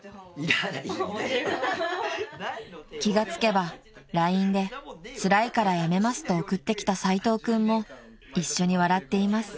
［気が付けばＬＩＮＥで「つらいから辞めます」と送ってきた齋藤君も一緒に笑っています］